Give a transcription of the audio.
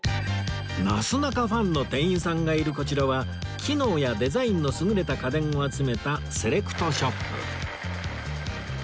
なすなかファンの店員さんがいるこちらは機能やデザインの優れた家電を集めたセレクトショップ